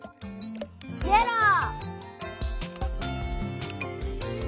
イエロー！